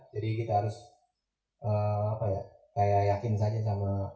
jadi kita harus yakin saja sama